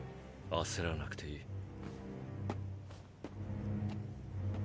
焦らなくていい。